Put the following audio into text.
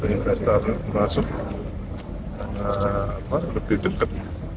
investor masuk lebih dekat